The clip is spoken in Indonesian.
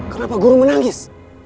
kenapa guru menangis